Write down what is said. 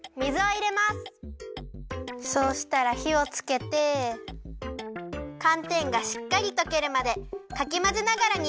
そうしたらひをつけてかんてんがしっかりとけるまでかきまぜながらにるよ。